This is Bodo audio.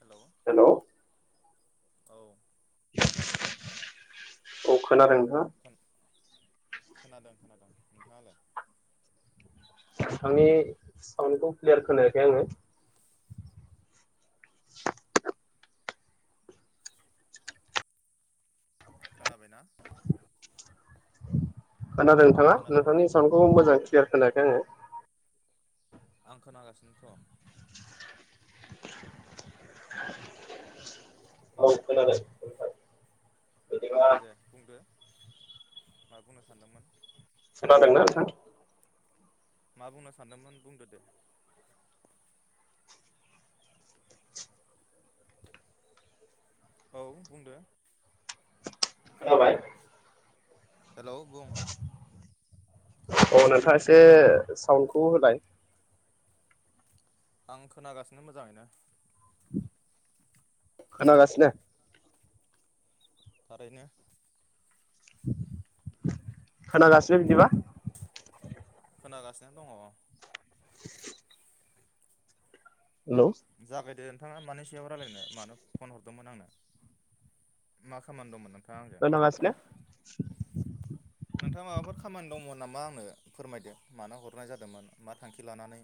हेलौ हेलौ औ औ खोनादों नोंथाङा खोन खोनादों-खोनादों नोंथाङालाय आंनि साउन्डखौ क्लियार खोनायाखै आङो खोनाबायना खोनादों नोंथाङा खोनाबाय नोंथांनि साउन्डखौबो मोजां क्लियार खोनायाखै आङो आं खोनागासिनोथ औ खोनादों [unintelligible] बिदिबा दे बुंदो मा बुंनो सानदोंमोन खोनादोंना नोंथां मा बुंनो सानदोंमोन बुंदो दे औ बुंदो जाबाय हेलौ बुं अ नोंथाङा एसे साउन्डखौ होलाय आं खोनागासिनो मोजाङैनो खोनागासिनो थारैनो खोनागासिनो बिदिबा खोनागासिनो दङ [inaudible] हेलौ जागायदो नोंथाङा मानि सायाव रायजलायनो मानो फन हरदोंमोन आंनो मा खामानि दंमोन नोंथाङा आंजों [unintelligible] नोंथाङा माबाफोर खामानि दंमोन नामा आंनो फोरमायदो मानो हरनाय जादोंमोन मा थांखि लानानै